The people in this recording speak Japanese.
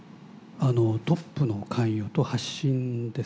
トップの関与と発信ですね。